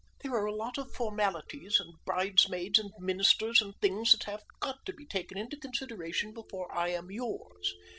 "There are a lot of formalities and bridesmaids and ministers and things that have got to be taken into consideration before I am yours.